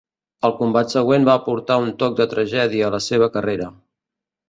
El combat següent va aportar un toc de tragèdia a la seva carrera.